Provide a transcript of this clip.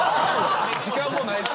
時間もないし。